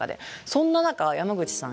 そんな中山口さん